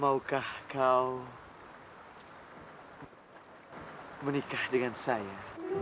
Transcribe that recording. maukah kau menikah dengan saya